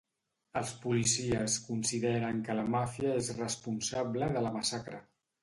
Els policies consideren que la màfia és responsable de la massacre.